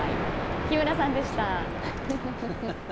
木村さんでした。